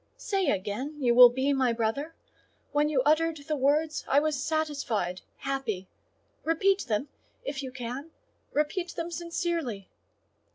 Say again you will be my brother: when you uttered the words I was satisfied, happy; repeat them, if you can, repeat them sincerely."